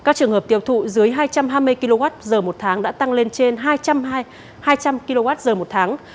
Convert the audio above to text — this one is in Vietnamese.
các trường hợp tiêu thụ dưới hai trăm hai mươi kwh một tháng đã tăng lên trên hai trăm linh kwh một tháng